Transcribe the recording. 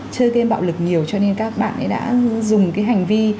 chơi game bạo lực nhiều cho nên các bạn ấy đã dùng cái hành vi